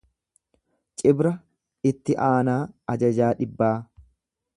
Cibra itti aanaa ajajaa dhibbaa.